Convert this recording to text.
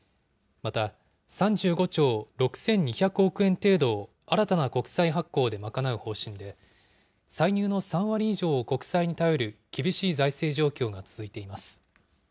また、３５兆６２００億円程度を新たな国債発行で賄う方針で、歳入の３割以上を国債に頼る厳しい財政状況が続いています。